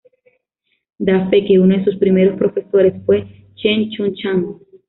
Da fe que uno de sus primeros profesores fue Shen Chun-shan.